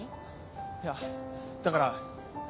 いやだから。